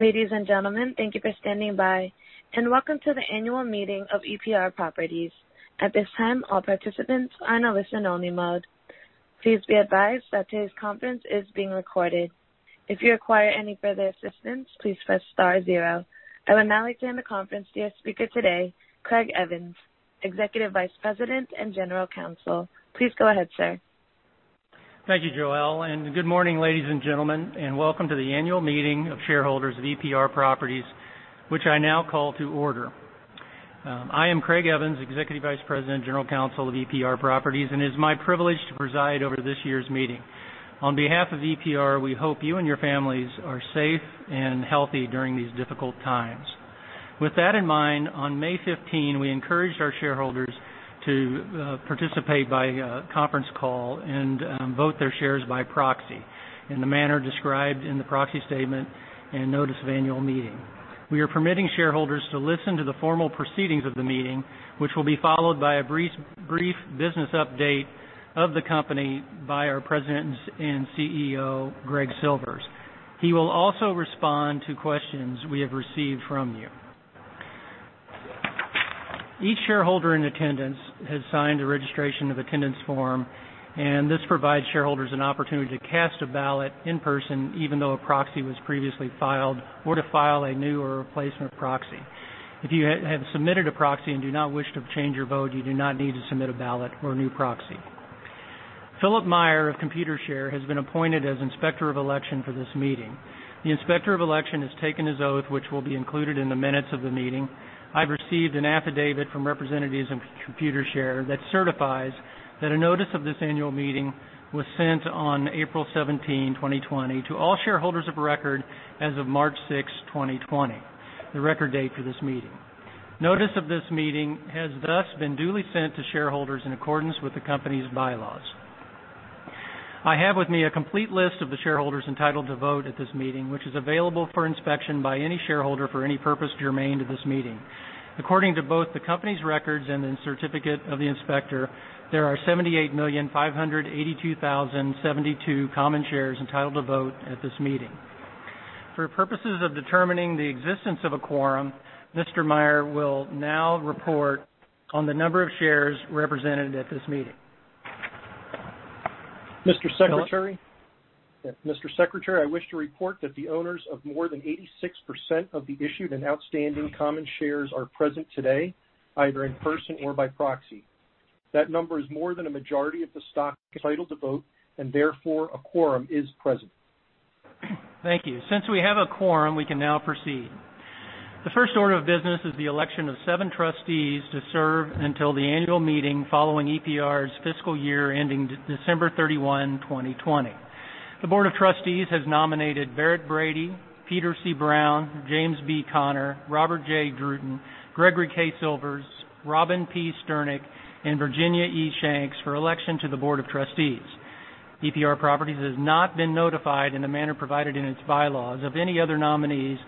Ladies and gentlemen, thank you for standing by, and welcome to the annual meeting of EPR Properties. At this time, all participants are in a listen-only mode. Please be advised that today's conference is being recorded. If you require any further assistance, please press star zero. I would now like to hand the conference to your speaker today, Craig Evans, Executive Vice President and General Counsel. Please go ahead, sir. Thank you, Joelle. Good morning, ladies and gentlemen, and welcome to the annual meeting of shareholders of EPR Properties, which I now call to order. I am Craig Evans, Executive Vice President and General Counsel of EPR Properties, and it's my privilege to preside over this year's meeting. On behalf of EPR, we hope you and your families are safe and healthy during these difficult times. With that in mind, on May 15, we encouraged our shareholders to participate by conference call and vote their shares by proxy in the manner described in the proxy statement and notice of annual meeting. We are permitting shareholders to listen to the formal proceedings of the meeting, which will be followed by a brief business update of the company by our President and CEO, Greg Silvers. He will also respond to questions we have received from you. Each shareholder in attendance has signed a registration of attendance form, and this provides shareholders an opportunity to cast a ballot in person, even though a proxy was previously filed, or to file a new or replacement proxy. If you have submitted a proxy and do not wish to change your vote, you do not need to submit a ballot or a new proxy. Philip Meyer of Computershare has been appointed as Inspector of Election for this meeting. The Inspector of Election has taken his oath, which will be included in the minutes of the meeting. I've received an affidavit from representatives of Computershare that certifies that a notice of this annual meeting was sent on April 17, 2020 to all shareholders of record as of March 6, 2020, the record date for this meeting. Notice of this meeting has thus been duly sent to shareholders in accordance with the company's bylaws. I have with me a complete list of the shareholders entitled to vote at this meeting, which is available for inspection by any shareholder for any purpose germane to this meeting. According to both the company's records and the certificate of the Inspector of Election, there are 78,582,072 common shares entitled to vote at this meeting. For purposes of determining the existence of a quorum, Mr. Meyer will now report on the number of shares represented at this meeting. Philip? Mr. Secretary. Mr. Secretary, I wish to report that the owners of more than 86% of the issued and outstanding common shares are present today, either in person or by proxy. That number is more than a majority of the stock entitled to vote, and therefore, a quorum is present. Thank you. Since we have a quorum, we can now proceed. The first order of business is the election of seven trustees to serve until the annual meeting following EPR Properties' fiscal year ending December 31, 2020. The Board of Trustees has nominated Barrett Brady, Peter C. Brown, James B. Connor, Robert J. Druten, Gregory K. Silvers, Robin P. Sterneck, and Virginia E. Shanks for election to the Board of Trustees. EPR Properties has not been notified in a manner provided in its bylaws of any other nominees,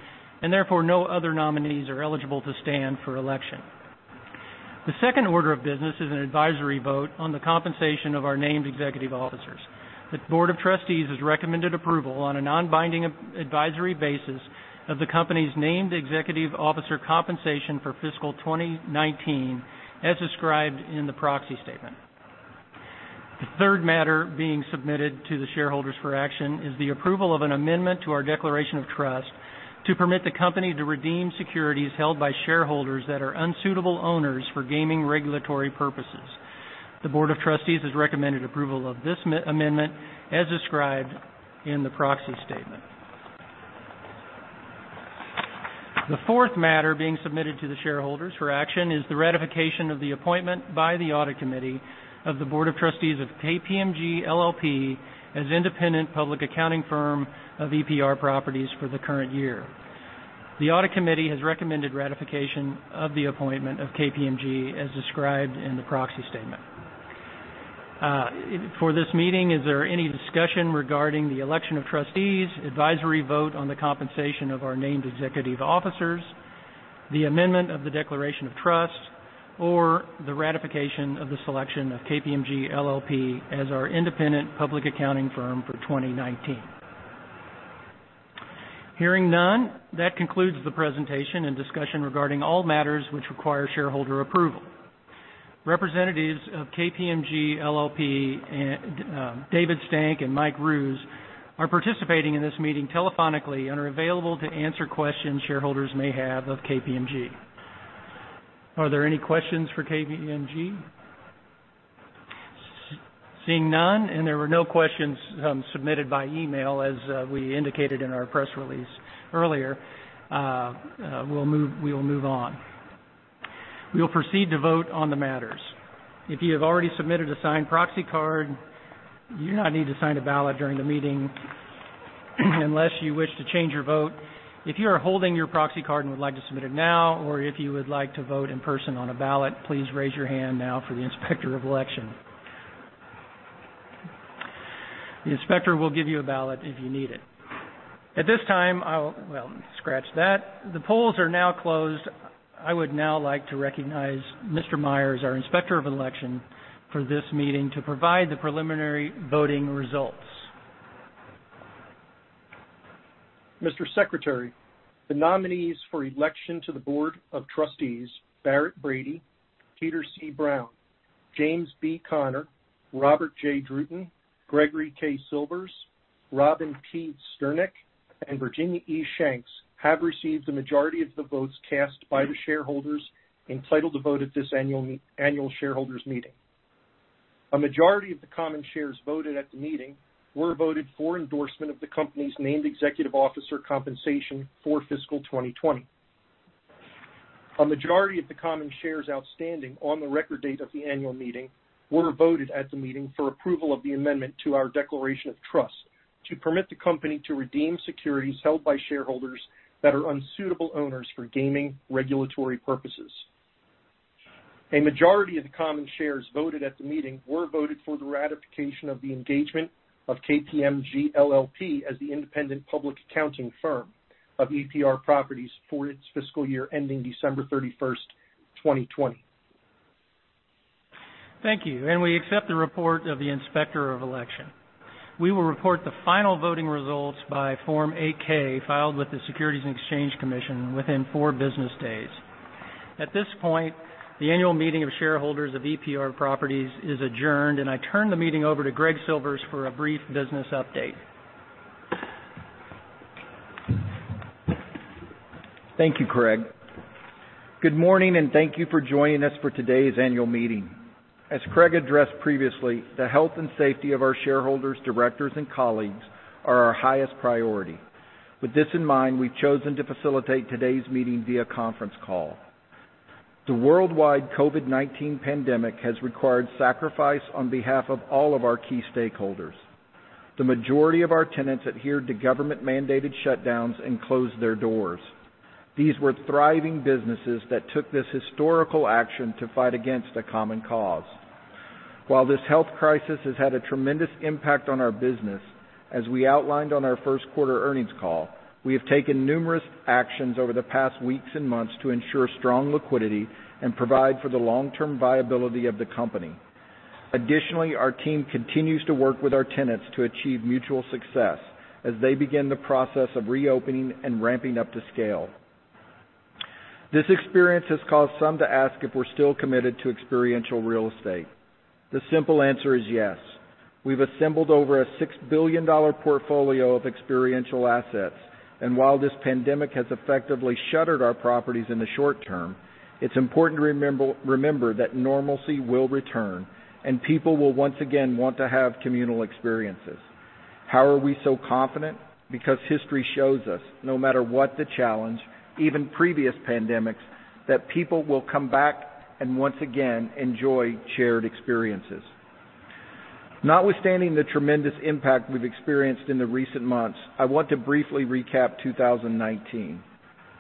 and therefore, no other nominees are eligible to stand for election. The second order of business is an advisory vote on the compensation of our named executive officers. The Board of Trustees has recommended approval on a non-binding advisory basis of the company's named executive officer compensation for fiscal 2019, as described in the proxy statement. The third matter being submitted to the shareholders for action is the approval of an amendment to our declaration of trust to permit the company to redeem securities held by shareholders that are unsuitable owners for gaming regulatory purposes. The Board of Trustees has recommended approval of this amendment as described in the proxy statement. The fourth matter being submitted to the shareholders for action is the ratification of the appointment by the Audit Committee of the Board of Trustees of KPMG LLP as independent public accounting firm of EPR Properties for the current year. The Audit Committee has recommended ratification of the appointment of KPMG as described in the proxy statement. For this meeting, is there any discussion regarding the election of trustees, advisory vote on the compensation of our named executive officers, the amendment of the declaration of trust, or the ratification of the selection of KPMG LLP as our independent public accounting firm for 2019? Hearing none, that concludes the presentation and discussion regarding all matters which require shareholder approval. Representatives of KPMG LLP, David Stang and Mike Roos, are participating in this meeting telephonically and are available to answer questions shareholders may have of KPMG. Are there any questions for KPMG? Seeing none, there were no questions submitted by email as we indicated in our press release earlier, we will move on. We will proceed to vote on the matters. If you have already submitted a signed proxy card, you do not need to sign a ballot during the meeting unless you wish to change your vote. If you are holding your proxy card and would like to submit it now, or if you would like to vote in person on a ballot, please raise your hand now for the Inspector of Election. The Inspector will give you a ballot if you need it. The polls are now closed. I would now like to recognize Mr. Meyer, our Inspector of Election for this meeting, to provide the preliminary voting results. Mr. Secretary, the nominees for election to the board of trustees, Barrett Brady, Peter C. Brown, James B. Connor, Robert J. Druten, Gregory K. Silvers, Robin P. Sterneck, and Virginia E. Shanks, have received the majority of the votes cast by the shareholders entitled to vote at this annual shareholders' meeting. A majority of the common shares voted at the meeting were voted for endorsement of the company's named executive officer compensation for fiscal 2020. A majority of the common shares outstanding on the record date of the annual meeting were voted at the meeting for approval of the amendment to our declaration of trust to permit the company to redeem securities held by shareholders that are unsuitable owners for gaming regulatory purposes. A majority of the common shares voted at the meeting were voted for the ratification of the engagement of KPMG LLP as the independent public accounting firm of EPR Properties for its fiscal year ending December 31st, 2020. Thank you. We accept the report of the Inspector of Election. We will report the final voting results by Form 8-K filed with the Securities and Exchange Commission within four business days. At this point, the annual meeting of shareholders of EPR Properties is adjourned, and I turn the meeting over to Greg Silvers for a brief business update. Thank you, Craig. Good morning, and thank you for joining us for today's annual meeting. As Craig addressed previously, the health and safety of our shareholders, directors, and colleagues are our highest priority. With this in mind, we've chosen to facilitate today's meeting via conference call. The worldwide COVID-19 pandemic has required sacrifice on behalf of all of our key stakeholders. The majority of our tenants adhered to government-mandated shutdowns and closed their doors. These were thriving businesses that took this historical action to fight against a common cause. While this health crisis has had a tremendous impact on our business, as we outlined on our first quarter earnings call, we have taken numerous actions over the past weeks and months to ensure strong liquidity and provide for the long-term viability of the company. Additionally, our team continues to work with our tenants to achieve mutual success as they begin the process of reopening and ramping up to scale. This experience has caused some to ask if we're still committed to experiential real estate. The simple answer is yes. We've assembled over a $6 billion portfolio of experiential assets, and while this pandemic has effectively shuttered our properties in the short term, it's important to remember that normalcy will return, and people will once again want to have communal experiences. How are we so confident? History shows us, no matter what the challenge, even previous pandemics, that people will come back and once again enjoy shared experiences. Notwithstanding the tremendous impact we've experienced in the recent months, I want to briefly recap 2019.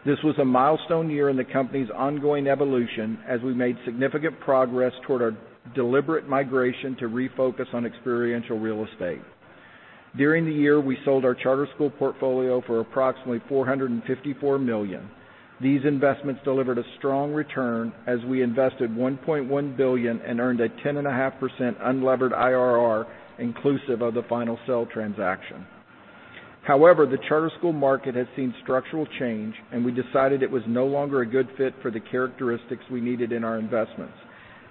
This was a milestone year in the company's ongoing evolution as we made significant progress toward our deliberate migration to refocus on experiential real estate. During the year, we sold our charter school portfolio for approximately $454 million. These investments delivered a strong return as we invested $1.1 billion and earned a 10.5% unlevered IRR inclusive of the final sale transaction. However, the charter school market has seen structural change, and we decided it was no longer a good fit for the characteristics we needed in our investments.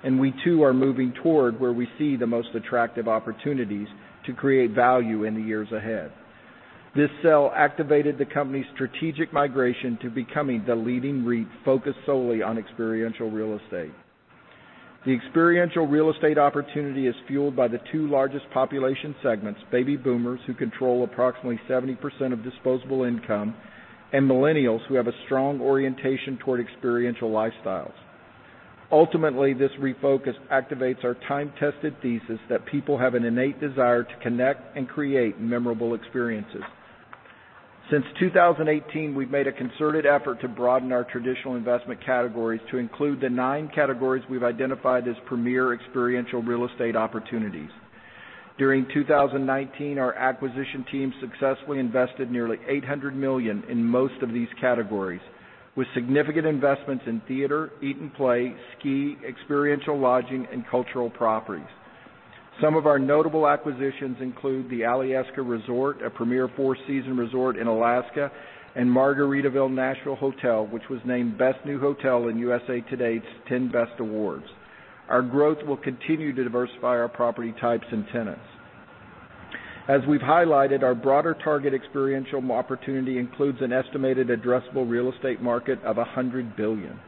We, too, are moving toward where we see the most attractive opportunities to create value in the years ahead. This sale activated the company's strategic migration to becoming the leading REIT focused solely on experiential real estate. The experiential real estate opportunity is fueled by the two largest population segments, baby boomers, who control approximately 70% of disposable income, and millennials, who have a strong orientation toward experiential lifestyles. Ultimately, this refocus activates our time-tested thesis that people have an innate desire to connect and create memorable experiences. Since 2018, we've made a concerted effort to broaden our traditional investment categories to include the nine categories we've identified as premier experiential real estate opportunities. During 2019, our acquisition team successfully invested nearly $800 million in most of these categories, with significant investments in theater, eat and play, ski, experiential lodging, and cultural properties. Some of our notable acquisitions include the Alyeska Resort, a premier four-season resort in Alaska, and Margaritaville Hotel Nashville, which was named Best New Hotel in USA Today's 10 Best Awards. Our growth will continue to diversify our property types and tenants. As we've highlighted, our broader target experiential opportunity includes an estimated addressable real estate market of $100 billion.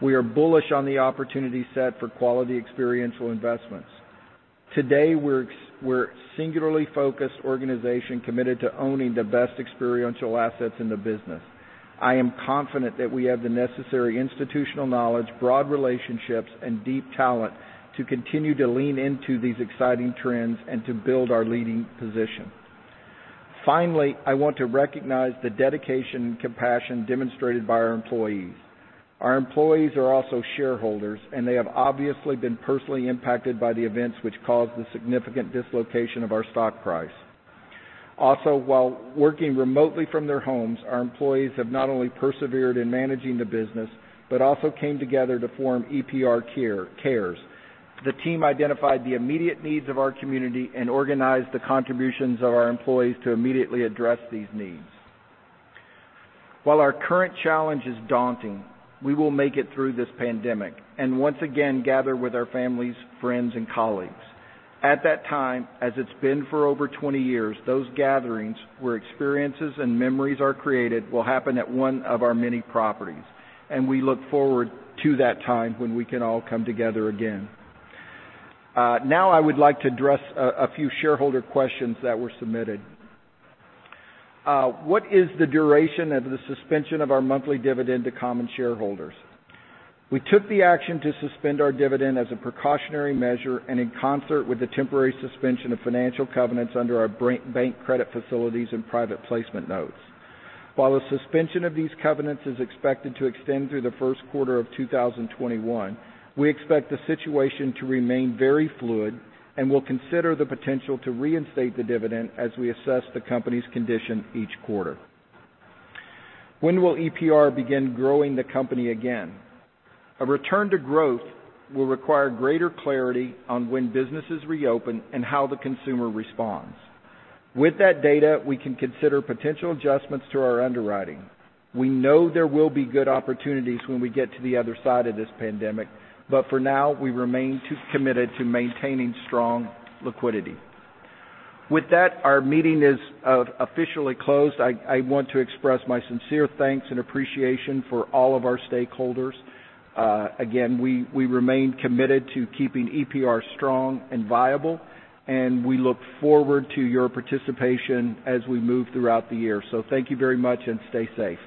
We are bullish on the opportunity set for quality experiential investments. Today, we're a singularly focused organization committed to owning the best experiential assets in the business. I am confident that we have the necessary institutional knowledge, broad relationships, and deep talent to continue to lean into these exciting trends and to build our leading position. Finally, I want to recognize the dedication and compassion demonstrated by our employees. Our employees are also shareholders, and they have obviously been personally impacted by the events which caused the significant dislocation of our stock price. Also, while working remotely from their homes, our employees have not only persevered in managing the business, but also came together to form EPR Cares. The team identified the immediate needs of our community and organized the contributions of our employees to immediately address these needs. While our current challenge is daunting, we will make it through this pandemic, and once again gather with our families, friends, and colleagues. At that time, as it's been for over 20 years, those gatherings where experiences and memories are created will happen at one of our many properties, and we look forward to that time when we can all come together again. I would like to address a few shareholder questions that were submitted. What is the duration of the suspension of our monthly dividend to common shareholders? We took the action to suspend our dividend as a precautionary measure and in concert with the temporary suspension of financial covenants under our bank credit facilities and private placement notes. While the suspension of these covenants is expected to extend through the first quarter of 2021, we expect the situation to remain very fluid and will consider the potential to reinstate the dividend as we assess the company's condition each quarter. When will EPR begin growing the company again? A return to growth will require greater clarity on when businesses reopen and how the consumer responds. With that data, we can consider potential adjustments to our underwriting. We know there will be good opportunities when we get to the other side of this pandemic, but for now, we remain committed to maintaining strong liquidity. With that, our meeting is officially closed. I want to express my sincere thanks and appreciation for all of our stakeholders. Again, we remain committed to keeping EPR strong and viable, and we look forward to your participation as we move throughout the year. Thank you very much and stay safe.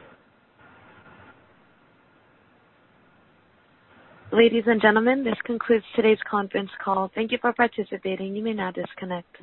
Ladies and gentlemen, this concludes today's conference call. Thank you for participating. You may now disconnect.